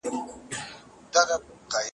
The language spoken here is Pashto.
دا اوبه د څښلو لپاره ډېرې پاکې دي.